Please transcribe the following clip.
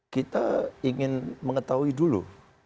kita ingin mengetahui dulu